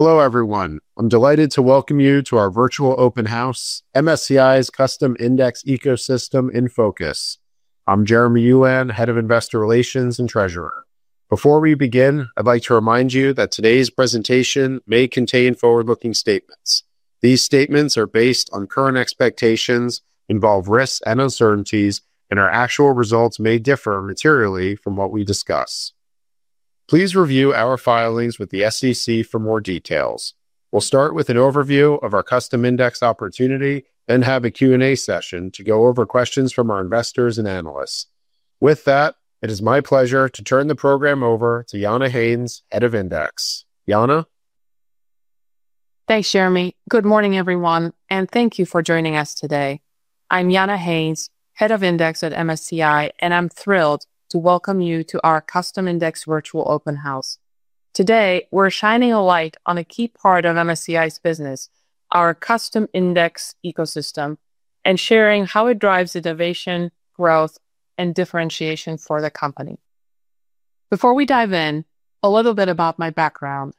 Hello, everyone. I'm delighted to welcome you to our virtual open house, MSCI's Custom Index Ecosystem, in focus. I'm Jeremy Ulan, Head of Investor Relations and Treasurer. Before we begin, I'd like to remind you that today's presentation may contain forward-looking statements. These statements are based on current expectations, involve risks and uncertainties, and our actual results may differ materially from what we discuss. Please review our filings with the SEC for more details. We'll start with an overview of our custom index opportunity and have a Q&A session to go over questions from our investors and analysts. With that, it is my pleasure to turn the program over to Yana Haynes, Head of Index. Yana? Thanks, Jeremy. Good morning, everyone, and thank you for joining us today. I'm Yana Haynes, Head of Index at MSCI, and I'm thrilled to welcome you to our Custom Index virtual open house. Today, we're shining a light on a key part of MSCI's business, our Custom Index Ecosystem, and sharing how it drives innovation, growth, and differentiation for the company. Before we dive in, a little bit about my background.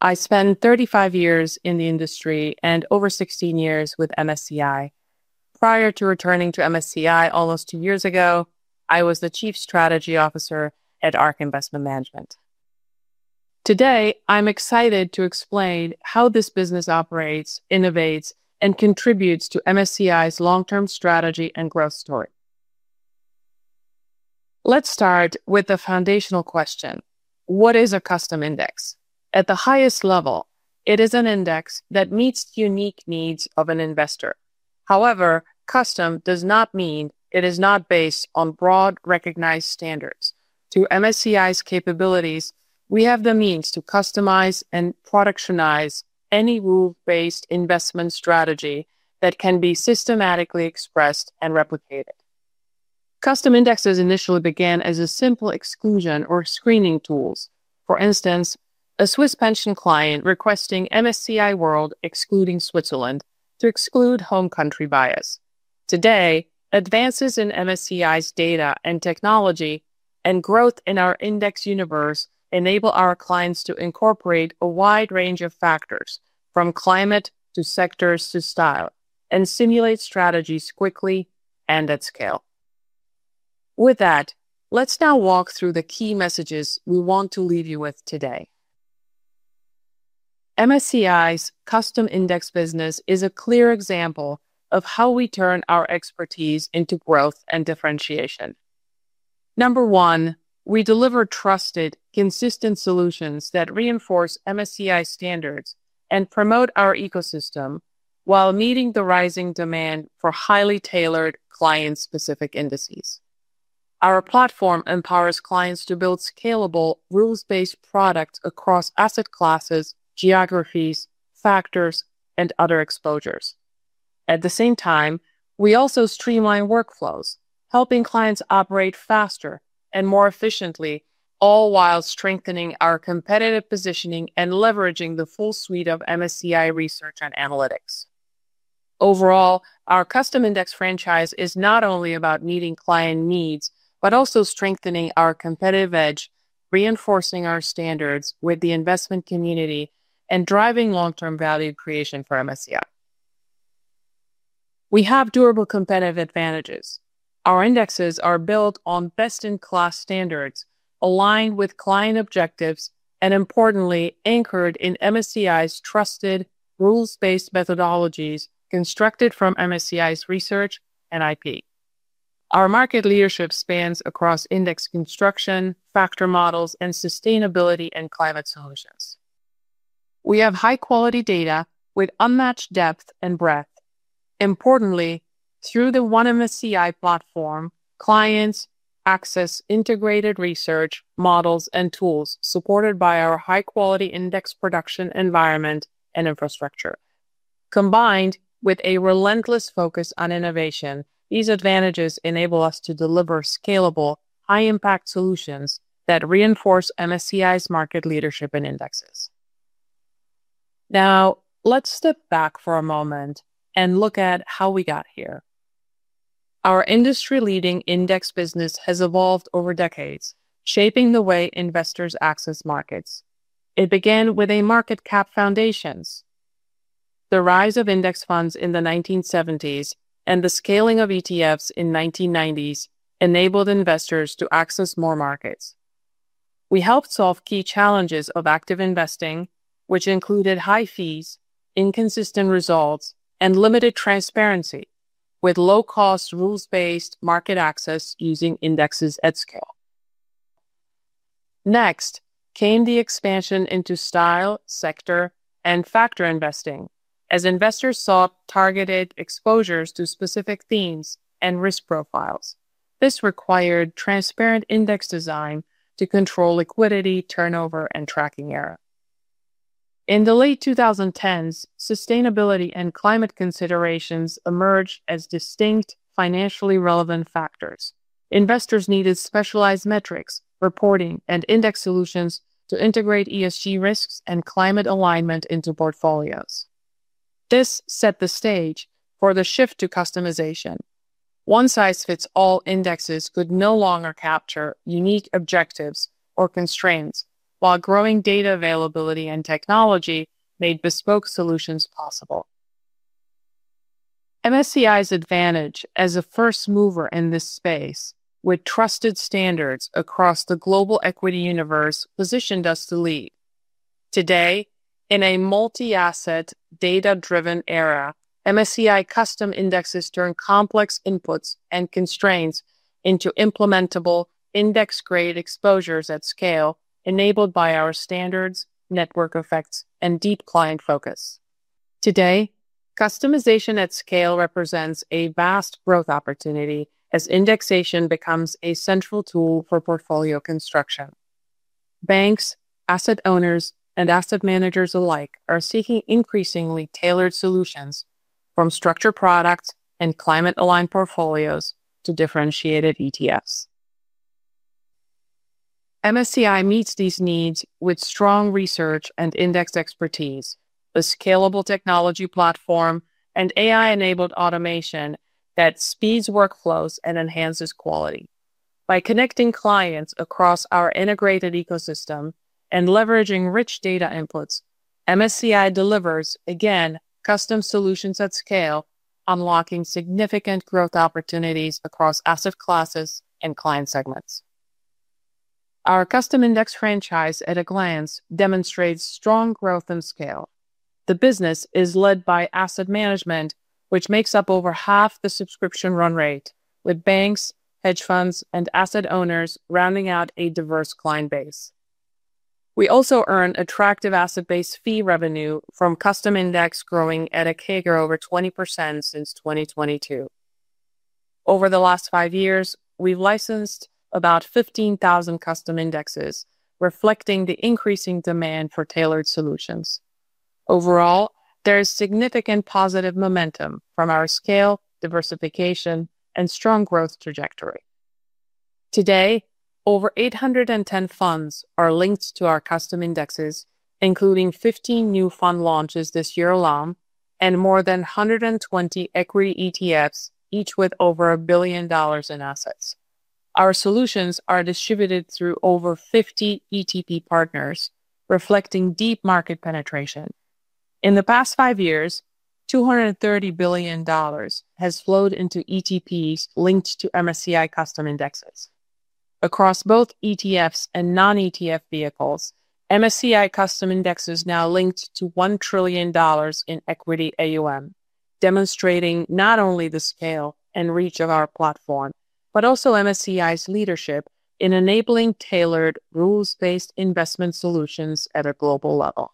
I spent 35 years in the industry and over 16 years with MSCI. Prior to returning to MSCI almost two years ago, I was the Chief Strategy Officer at ARK Investment Management. Today, I'm excited to explain how this business operates, innovates, and contributes to MSCI's long-term strategy and growth story. Let's start with the foundational question: What is a custom index? At the highest level, it is an index that meets the unique needs of an investor. However, custom does not mean it is not based on broad recognized standards. Through MSCI's capabilities, we have the means to customize and productionize any rules-based investment strategy that can be systematically expressed and replicated. Custom indexes initially began as a simple exclusion or screening tool. For instance, a Swiss pension client requesting MSCI World excluding Switzerland to exclude home country bias. Today, advances in MSCI's data and technology and growth in our index universe enable our clients to incorporate a wide range of factors, from climate to sectors to style, and simulate strategies quickly and at scale. With that, let's now walk through the key messages we want to leave you with today. MSCI's custom index business is a clear example of how we turn our expertise into growth and differentiation. Number one, we deliver trusted, consistent solutions that reinforce MSCI's standards and promote our ecosystem while meeting the rising demand for highly tailored client-specific indices. Our platform empowers clients to build scalable, rules-based products across asset classes, geographies, factors, and other exposures. At the same time, we also streamline workflows, helping clients operate faster and more efficiently, all while strengthening our competitive positioning and leveraging the full suite of MSCI research and analytics. Overall, our custom index franchise is not only about meeting client needs but also strengthening our competitive edge, reinforcing our standards with the investment community, and driving long-term value creation for MSCI. We have durable competitive advantages. Our indexes are built on best-in-class standards, aligned with client objectives, and importantly, anchored in MSCI's trusted, rules-based methodologies constructed from MSCI's research and IP. Our market leadership spans across index construction, factor models, and sustainability and climate solutions. We have high-quality data with unmatched depth and breadth. Importantly, through the 1MSCI platform, clients access integrated research, models, and tools supported by our high-quality index production environment and infrastructure. Combined with a relentless focus on innovation, these advantages enable us to deliver scalable, high-impact solutions that reinforce MSCI's market leadership in indexes. Now, let's step back for a moment and look at how we got here. Our industry-leading index business has evolved over decades, shaping the way investors access markets. It began with a market cap foundation. The rise of index funds in the 1970s and the scaling of ETFs in the 1990s enabled investors to access more markets. We helped solve key challenges of active investing, which included high fees, inconsistent results, and limited transparency, with low-cost, rules-based market access using indexes at scale. Next came the expansion into style, sector, and factor investing, as investors sought targeted exposures to specific themes and risk profiles. This required transparent index design to control liquidity, turnover, and tracking error. In the late 2010s, sustainability and climate considerations emerged as distinct, financially relevant factors. Investors needed specialized metrics, reporting, and index solutions to integrate ESG risks and climate alignment into portfolios. This set the stage for the shift to customization. One-size-fits-all indexes could no longer capture unique objectives or constraints, while growing data availability and technology made bespoke solutions possible. MSCI's advantage as a first mover in this space, with trusted standards across the global equity universe, positioned us to lead. Today, in a multi-asset, data-driven era, MSCI custom indexes turn complex inputs and constraints into implementable, index-grade exposures at scale, enabled by our standards, network effects, and deep client focus. Today, customization at scale represents a vast growth opportunity as indexation becomes a central tool for portfolio construction. Banks, asset owners, and asset managers alike are seeking increasingly tailored solutions, from structured products and climate-aligned portfolios to differentiated ETFs. MSCI meets these needs with strong research and index expertise, a scalable technology platform, and AI-enabled automation that speeds workflows and enhances quality. By connecting clients across our integrated ecosystem and leveraging rich data inputs, MSCI delivers, again, custom solutions at scale, unlocking significant growth opportunities across asset classes and client segments. Our custom index franchise, at a glance, demonstrates strong growth and scale. The business is led by asset management, which makes up over half the subscription run rate, with banks, hedge funds, and asset owners rounding out a diverse client base. We also earn attractive asset-based fee revenue from custom index growing at a CAGR over 20% since 2022. Over the last five years, we've licensed about 15,000 custom indexes, reflecting the increasing demand for tailored solutions. Overall, there is significant positive momentum from our scale, diversification, and strong growth trajectory. Today, over 810 funds are linked to our custom indexes, including 15 new fund launches this year alone and more than 120 equity ETFs, each with over $1 billion in assets. Our solutions are distributed through over 50 ETP partners, reflecting deep market penetration. In the past five years, $230 billion has flowed into ETPs linked to MSCI custom indexes. Across both ETFs and non-ETF vehicles, MSCI custom index is now linked to $1 trillion in equity AUM, demonstrating not only the scale and reach of our platform but also MSCI's leadership in enabling tailored, rules-based investment solutions at a global level.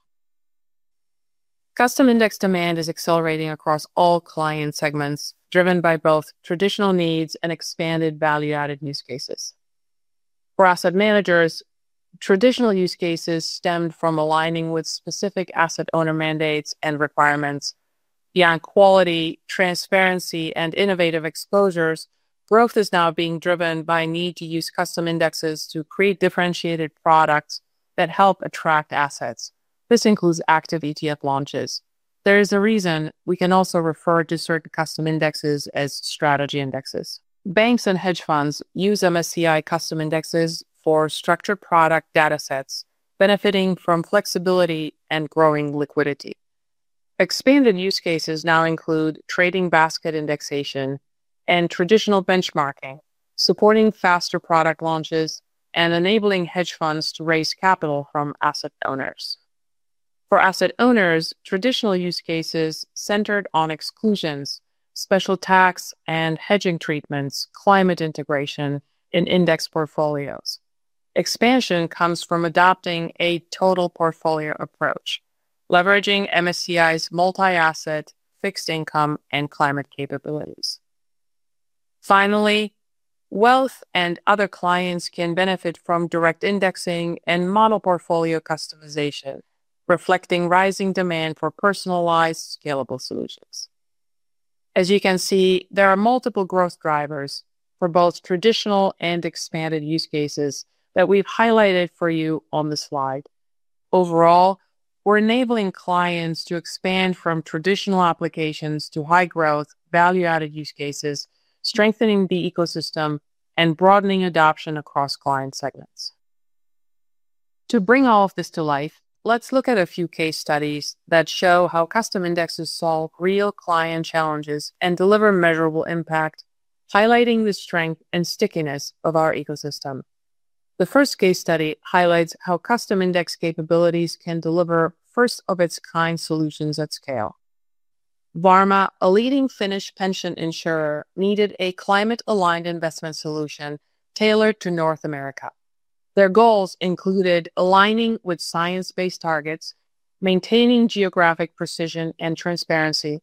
Custom index demand is accelerating across all client segments, driven by both traditional needs and expanded value-added use cases. For asset managers, traditional use cases stemmed from aligning with specific asset owner mandates and requirements. Beyond quality, transparency, and innovative exposures, growth is now being driven by the need to use custom indexes to create differentiated products that help attract assets. This includes active ETF launches. There is a reason we can also refer to certain custom indexes as strategy indexes. Banks and hedge funds use MSCI custom indexes for structured product datasets, benefiting from flexibility and growing liquidity. Expanded use cases now include trading basket indexation and traditional benchmarking, supporting faster product launches and enabling hedge funds to raise capital from asset owners. For asset owners, traditional use cases centered on exclusions, special tax, and hedging treatments, climate integration in index portfolios. Expansion comes from adopting a total portfolio approach, leveraging MSCI's multi-asset, fixed income, and climate capabilities. Finally, wealth and other clients can benefit from direct indexing and model portfolio customization, reflecting rising demand for personalized, scalable solutions. As you can see, there are multiple growth drivers for both traditional and expanded use cases that we've highlighted for you on the slide. Overall, we're enabling clients to expand from traditional applications to high-growth, value-added use cases, strengthening the ecosystem, and broadening adoption across client segments. To bring all of this to life, let's look at a few case studies that show how custom indexes solve real client challenges and deliver measurable impact, highlighting the strength and stickiness of our ecosystem. The first case study highlights how custom index capabilities can deliver first-of-its-kind solutions at scale. Varma, a leading Finnish pension insurer, needed a climate-aligned investment solution tailored to North America. Their goals included aligning with science-based targets, maintaining geographic precision and transparency,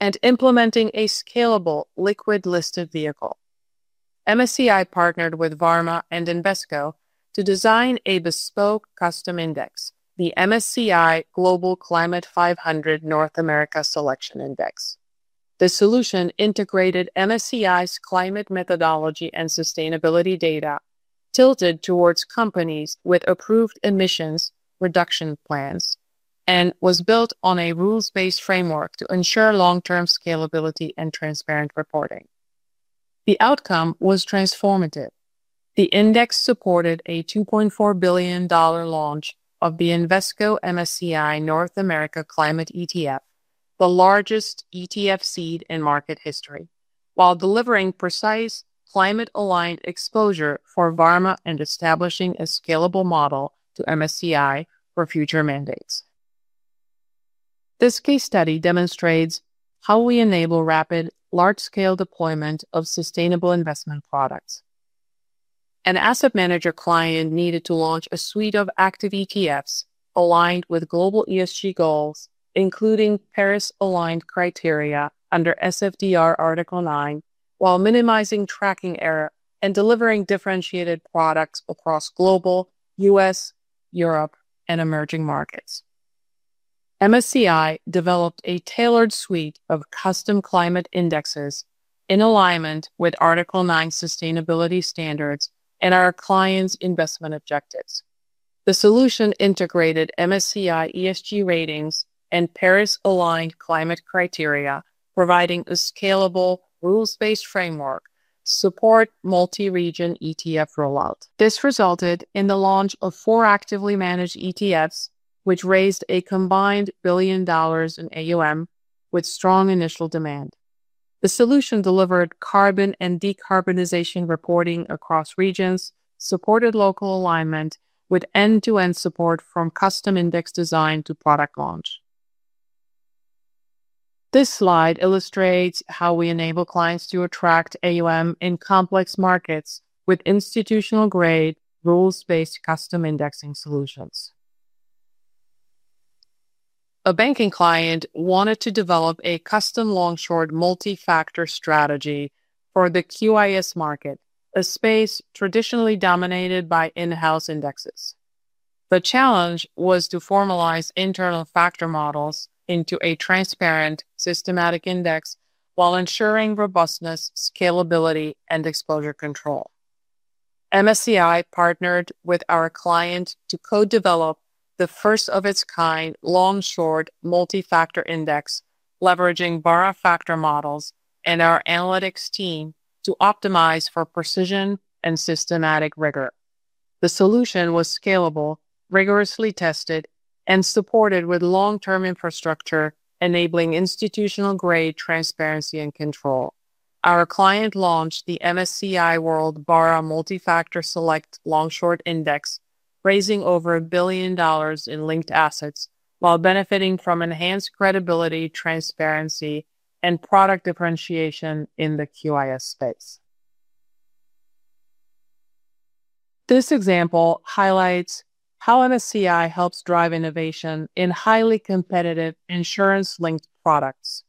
and implementing a scalable, liquid-listed vehicle. MSCI partnered with Varma and Invesco to design a bespoke custom index, the MSCI Global Climate 500 North America Selection Index. The solution integrated MSCI's climate methodology and sustainability data, tilted towards companies with approved emissions reduction plans, and was built on a rules-based framework to ensure long-term scalability and transparent reporting. The outcome was transformative. The index supported a $2.4 billion launch of the Invesco MSCI North America Climate ETF, the largest ETF seed in market history, while delivering precise, climate-aligned exposure for Varma and establishing a scalable model to MSCI for future mandates. This case study demonstrates how we enable rapid, large-scale deployment of sustainable investment products. An asset manager client needed to launch a suite of active ETFs aligned with global ESG goals, including Paris-aligned criteria under SFDR Article 9, while minimizing tracking error and delivering differentiated products across global, U.S., Europe, and emerging markets. MSCI developed a tailored suite of custom climate indexes in alignment with Article 9 sustainability standards and our clients' investment objectives. The solution integrated MSCI ESG ratings and Paris-aligned climate criteria, providing a scalable, rules-based framework to support multi-region ETF rollout. This resulted in the launch of four actively managed ETFs, which raised a combined $1 billion in AUM with strong initial demand. The solution delivered carbon and decarbonization reporting across regions, supported local alignment, with end-to-end support from custom index design to product launch. This slide illustrates how we enable clients to attract AUM in complex markets with institutional-grade, rules-based custom indexing solutions. A banking client wanted to develop a custom long-short multi-factor strategy for the QIS market, a space traditionally dominated by in-house indexes. The challenge was to formalize internal factor models into a transparent, systematic index while ensuring robustness, scalability, and exposure control. MSCI partnered with our client to co-develop the first-of-its-kind long-short multi-factor index, leveraging BARA factor models and our analytics team to optimize for precision and systematic rigor. The solution was scalable, rigorously tested, and supported with long-term infrastructure, enabling institutional-grade transparency and control. Our client launched the MSCI World BARA Multi-Factor Select Long-Short Index, raising over $1 billion in linked assets while benefiting from enhanced credibility, transparency, and product differentiation in the QIS space. This example highlights how MSCI helps drive innovation in highly competitive insurance-linked products.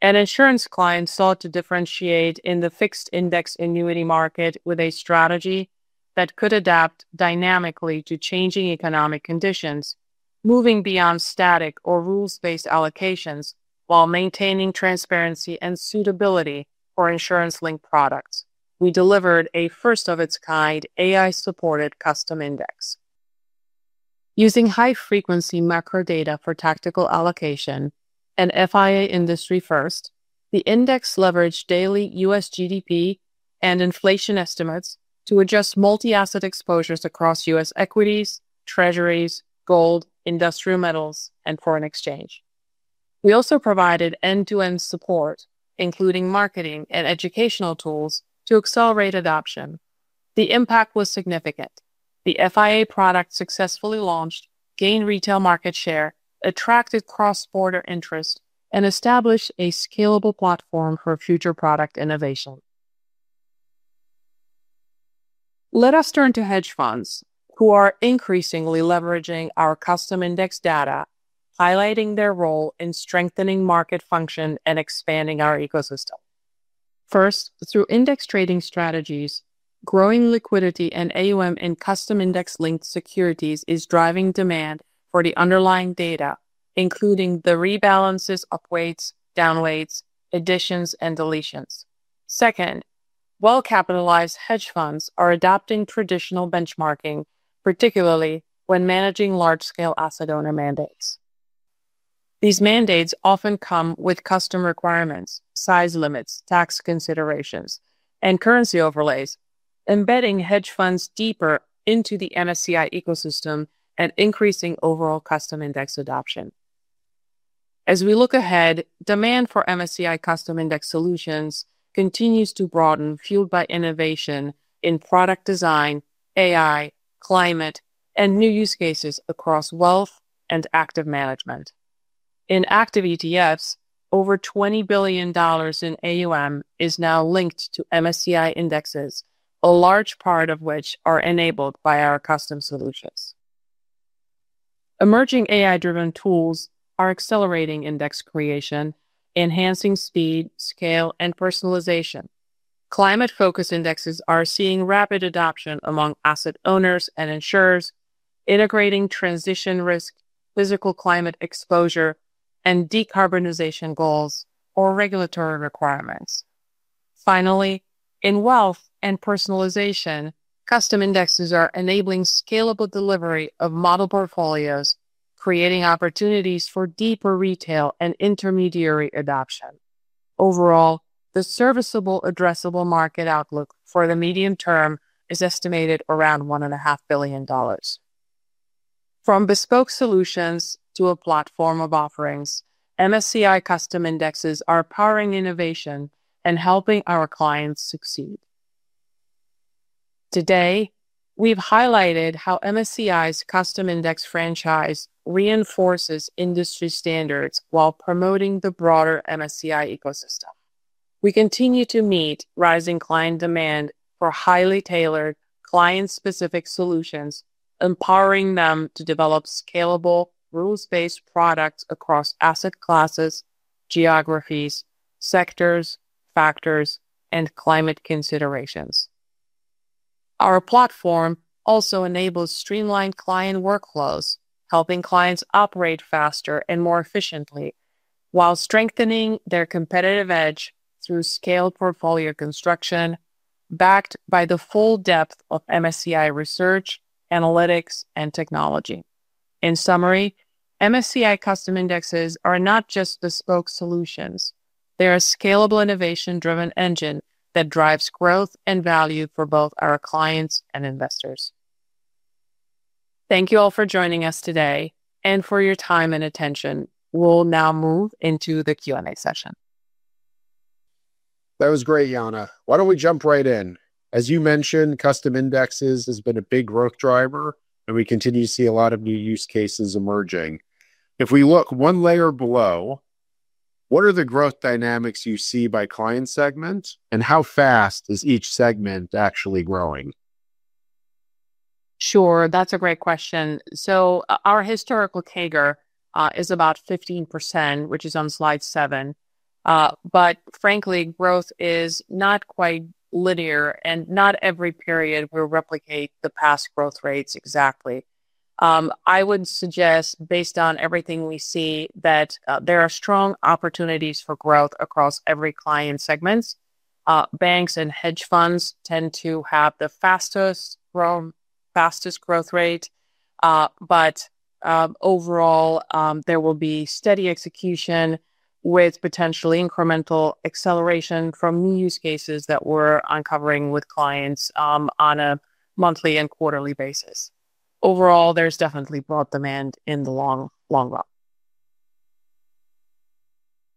An insurance client sought to differentiate in the fixed index annuity market with a strategy that could adapt dynamically to changing economic conditions, moving beyond static or rules-based allocations while maintaining transparency and suitability for insurance-linked products. We delivered a first-of-its-kind AI-supported custom index. Using high-frequency macro data for tactical allocation and FIA industry-first, the index leveraged daily U.S. GDP and inflation estimates to adjust multi-asset exposures across U.S. equities, treasuries, gold, industrial metals, and foreign exchange. We also provided end-to-end support, including marketing and educational tools, to accelerate adoption. The impact was significant. The FIA product successfully launched, gained retail market share, attracted cross-border interest, and established a scalable platform for future product innovation. Let us turn to hedge funds, who are increasingly leveraging our custom index data, highlighting their role in strengthening market function and expanding our ecosystem. First, through index trading strategies, growing liquidity and AUM in custom index-linked securities is driving demand for the underlying data, including the rebalances of weights, downweights, additions, and deletions. Second, well-capitalized hedge funds are adopting traditional benchmarking, particularly when managing large-scale asset owner mandates. These mandates often come with custom requirements, size limits, tax considerations, and currency overlays, embedding hedge funds deeper into the MSCI ecosystem and increasing overall custom index adoption. As we look ahead, demand for MSCI custom index solutions continues to broaden, fueled by innovation in product design, AI, climate, and new use cases across wealth and active management. In active ETFs, over $20 billion in AUM is now linked to MSCI indexes, a large part of which are enabled by our custom solutions. Emerging AI-driven tools are accelerating index creation, enhancing speed, scale, and personalization. Climate-focused indexes are seeing rapid adoption among asset owners and insurers, integrating transition risk, physical climate exposure, and decarbonization goals or regulatory requirements. Finally, in wealth and personalization, custom indexes are enabling scalable delivery of model portfolios, creating opportunities for deeper retail and intermediary adoption. Overall, the serviceable addressable market outlook for the medium term is estimated around $1.5 billion. From bespoke solutions to a platform of offerings, MSCI custom indexes are powering innovation and helping our clients succeed. Today, we've highlighted how MSCI's custom index franchise reinforces industry standards while promoting the broader MSCI ecosystem. We continue to meet rising client demand for highly tailored, client-specific solutions, empowering them to develop scalable, rules-based products across asset classes, geographies, sectors, factors, and climate considerations. Our platform also enables streamlined client workflows, helping clients operate faster and more efficiently, while strengthening their competitive edge through scaled portfolio construction, backed by the full depth of MSCI research, analytics, and technology. In summary, MSCI custom indexes are not just bespoke solutions, they're a scalable, innovation-driven engine that drives growth and value for both our clients and investors. Thank you all for joining us today and for your time and attention. We'll now move into the Q&A session. That was great, Yana. Why don't we jump right in? As you mentioned, custom indexes have been a big growth driver, and we continue to see a lot of new use cases emerging. If we look one layer below, what are the growth dynamics you see by client segment, and how fast is each segment actually growing? Sure, that's a great question. Our historical CAGR is about 15%, which is on slide seven. Frankly, growth is not quite linear, and not every period will replicate the past growth rates exactly. I would suggest, based on everything we see, that there are strong opportunities for growth across every client segment. Banks and hedge funds tend to have the fastest growth rate. Overall, there will be steady execution with potentially incremental acceleration from new use cases that we're uncovering with clients on a monthly and quarterly basis. Overall, there's definitely broad demand in the long run.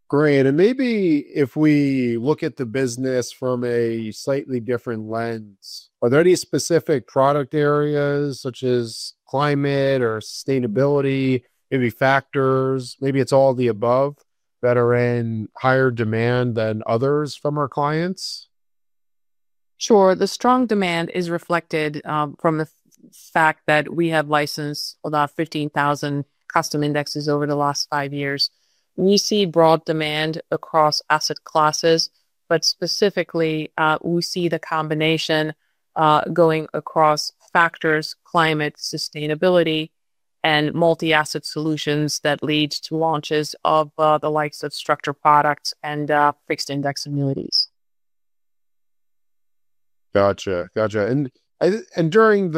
Great. If we look at the business from a slightly different lens, are there any specific product areas, such as climate or sustainability, maybe factors, maybe it's all the above, that are in higher demand than others from our clients? Sure. The strong demand is reflected from the fact that we have licensed about 15,000 custom indexes over the last five years. We see broad demand across asset classes, but specifically, we see the combination going across factors, climate, sustainability, and multi-asset solutions that lead to launches of the likes of structured products and fixed index annuities. Gotcha, gotcha. During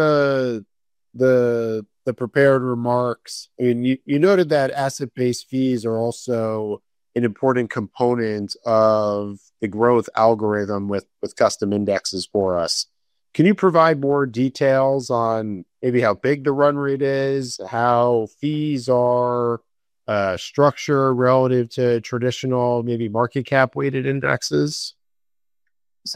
the prepared remarks, you noted that asset-based fees are also an important component of the growth algorithm with custom indexes for us. Can you provide more details on maybe how big the run rate is, how fees are structured relative to traditional, maybe market cap-weighted indexes?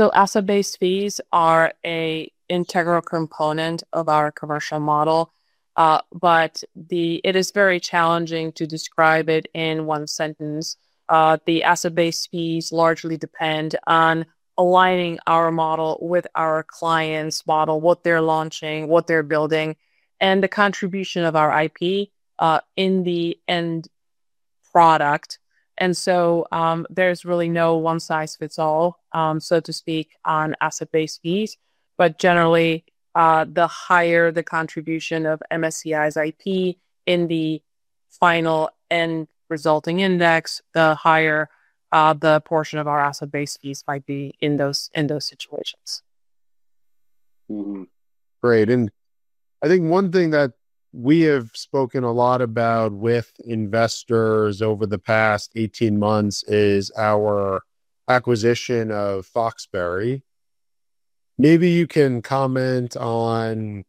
Asset-based fees are an integral component of our commercial model. It is very challenging to describe it in one sentence. The asset-based fees largely depend on aligning our model with our client's model, what they're launching, what they're building, and the contribution of our IP in the end product. There is really no one-size-fits-all, so to speak, on asset-based fees. Generally, the higher the contribution of MSCI's IP in the final end resulting index, the higher the portion of our asset-based fees might be in those situations. Great. I think one thing that we have spoken a lot about with investors over the past 18 months is our acquisition of Foxberry. Maybe you can comment on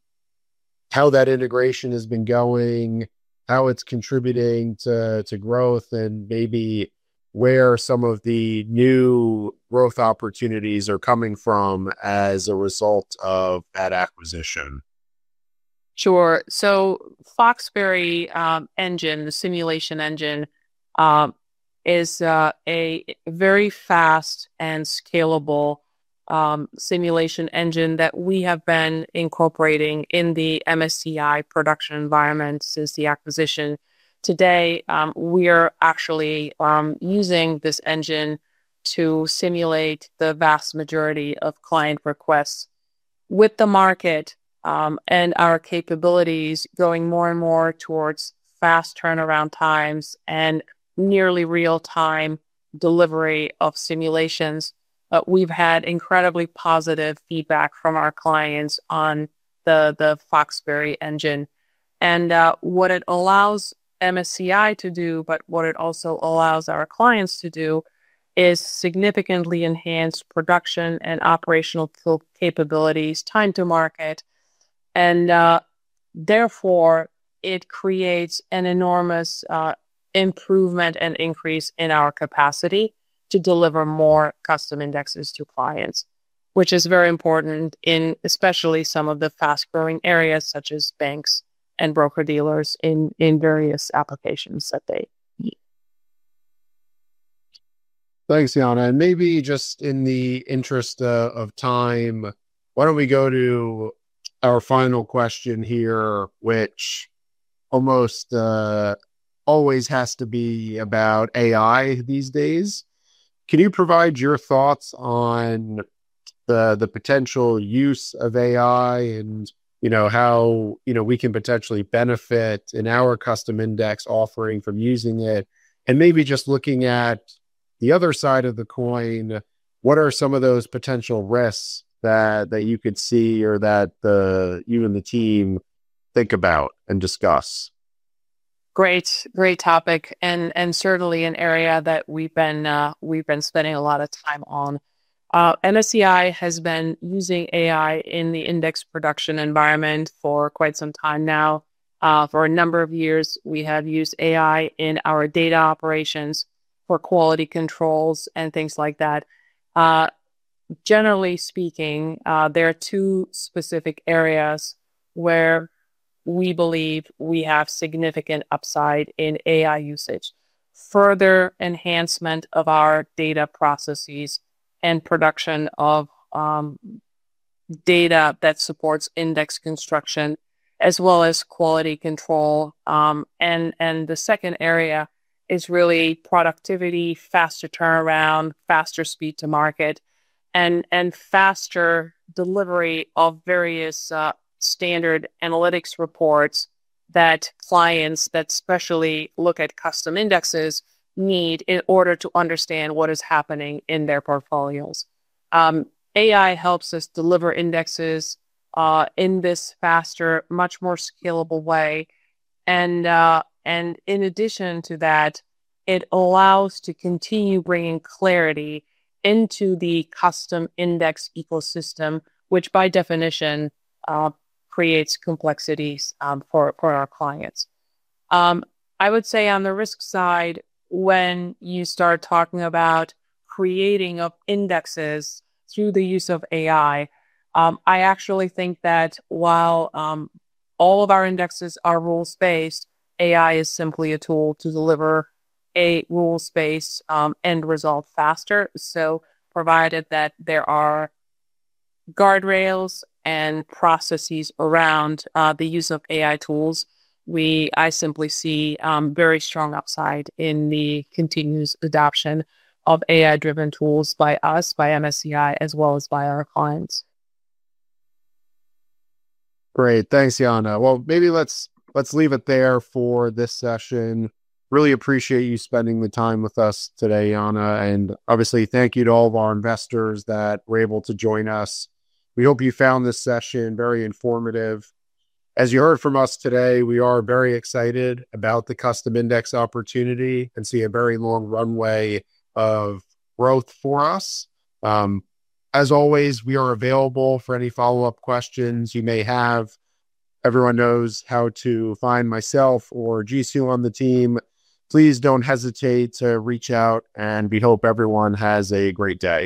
how that integration has been going, how it's contributing to growth, and maybe where some of the new growth opportunities are coming from as a result of that acquisition. Sure. The Foxberry Engine, the simulation engine, is a very fast and scalable simulation engine that we have been incorporating in the MSCI production environment since the acquisition. Today, we are actually using this engine to simulate the vast majority of client requests. With the market and our capabilities going more and more towards fast turnaround times and nearly real-time delivery of simulations, we've had incredibly positive feedback from our clients on the Foxberry Engine. What it allows MSCI to do, but what it also allows our clients to do, is significantly enhance production and operational capabilities, time to market. Therefore, it creates an enormous improvement and increase in our capacity to deliver more custom indexes to clients, which is very important in especially some of the fast-growing areas such as banks and broker-dealers in various applications that they need. Thanks, Yana. Maybe just in the interest of time, why don't we go to our final question here, which almost always has to be about AI these days? Can you provide your thoughts on the potential use of AI and, you know, how we can potentially benefit in our custom index offering from using it? Maybe just looking at the other side of the coin, what are some of those potential risks that you could see or that you and the team think about and discuss? Great, great topic and certainly an area that we've been spending a lot of time on. MSCI has been using AI in the index production environment for quite some time now. For a number of years, we have used AI in our data operations for quality controls and things like that. Generally speaking, there are two specific areas where we believe we have significant upside in AI usage: further enhancement of our data processes and production of data that supports index construction, as well as quality control. The second area is really productivity, faster turnaround, faster speed to market, and faster delivery of various standard analytics reports that clients that especially look at custom indexes need in order to understand what is happening in their portfolios. AI helps us deliver indexes in this faster, much more scalable way. In addition to that, it allows us to continue bringing clarity into the custom index ecosystem, which by definition creates complexities for our clients. I would say on the risk side, when you start talking about creating indexes through the use of AI, I actually think that while all of our indexes are rules-based, AI is simply a tool to deliver a rules-based end result faster. Provided that there are guardrails and processes around the use of AI tools, I simply see very strong upside in the continuous adoption of AI-driven tools by us, by MSCI, as well as by our clients. Great. Thanks, Yana. Maybe let's leave it there for this session. Really appreciate you spending the time with us today, Yana. Obviously, thank you to all of our investors that were able to join us. We hope you found this session very informative. As you heard from us today, we are very excited about the custom index opportunity and see a very long runway of growth for us. As always, we are available for any follow-up questions you may have. Everyone knows how to find myself or Jisoo on the team. Please don't hesitate to reach out, and we hope everyone has a great day.